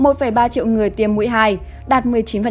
một ba triệu người tiêm mũi hai đạt một mươi chín